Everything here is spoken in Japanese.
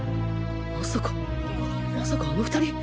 まさかまさかあの２人